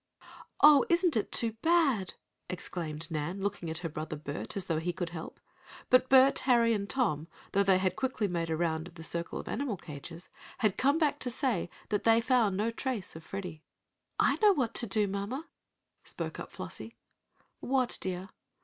"Oh, isn't it too bad!" exclaimed Nan, looking at her brother Bert, as though he could help. But Bert, Harry and Tom, though they had quickly made a round of the circle of animal cages, had come back to say that they found no trace of Freddie. "I know what to do, mamma," spoke up Flossie. "What, dear?"